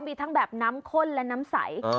มีทั้งแบบน้ำข้นและน้ำใส